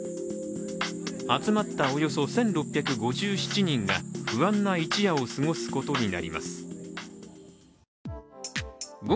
集まったおよそ１６５７人が不安な一夜を過ごすことになります。